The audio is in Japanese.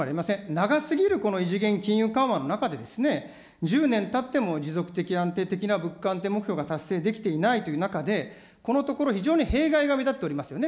長すぎるこの異次元金融緩和の中で、１０年たっても持続的安定的な物価安定目標が達成できていないという中で、このところ、非常に弊害が目立っておりますよね。